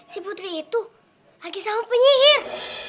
si putri itu lagi sama penyihir